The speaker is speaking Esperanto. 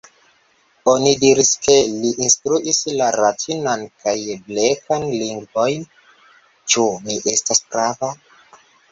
Oni diris ke li instruis la Ratinan kaj Blekan lingvojn. Ĉu mi estas prava?